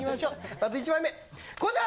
まず１枚目こちら！